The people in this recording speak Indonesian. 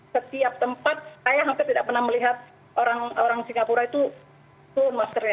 setiap tempat saya hampir tidak pernah melihat orang singapura itu turun masker ya